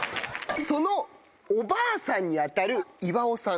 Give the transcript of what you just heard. そのおばあさんに当たる岩生さん。